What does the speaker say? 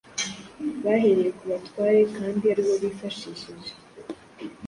bahereye ku batware kandi ari bo bifashishije